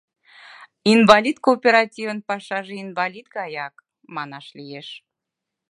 Инвалид кооперативын пашаже инвалид гаяк, манаш лиеш.